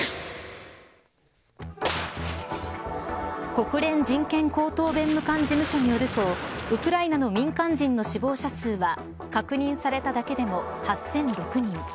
国連人権高等弁務官事務所によるとウクライナの民間人の死亡者数は確認されただけでも８００６人。